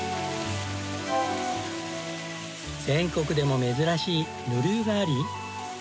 全国でも珍しいぬる湯があり。